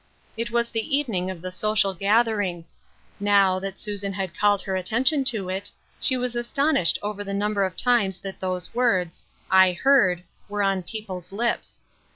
It was the evening of the social gathering. Now, that Susan had called her attention to it, she was astonished over the number of times that those words :" I heard," were on people's lips.